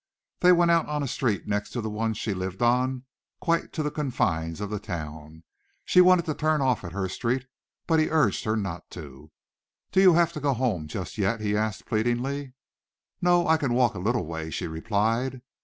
They went out on a street next to the one she lived on quite to the confines of the town. She wanted to turn off at her street, but he had urged her not to. "Do you have to go home just yet?" he asked, pleadingly. "No, I can walk a little way," she replied.